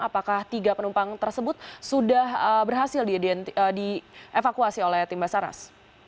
apakah tiga penumpang tersebut sudah berhasil dievakuasi oleh timbasaras